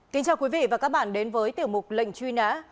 kính chào quý vị và các bạn đến với tiểu mục lệnh truy nã